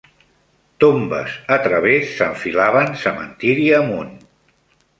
Tombes a través s'enfilaven cementiri amunt.